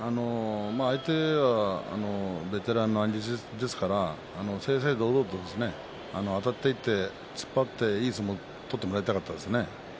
相手はベテランですから正々堂々とあたっていって突っ張っていい相撲を取ってもらいたかったですね。